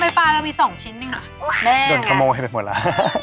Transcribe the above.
ทำไมปลาเรามีสองชิ้นนึงอ่ะแม่โดนกระโมงให้ไปหมดแล้ว